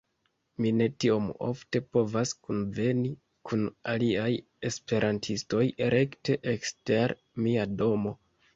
Mi ne tiom ofte povas kunveni kun aliaj esperantistoj rekte ekster mia domo.